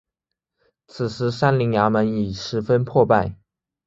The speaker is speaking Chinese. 此时三陵衙门已十分破败。